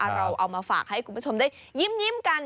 เราเอามาฝากให้คุณผู้ชมได้ยิ้มกัน